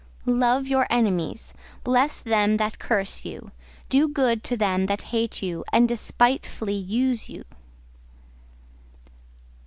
"Love your enemies; bless them that curse you; do good to them that hate you and despitefully use you."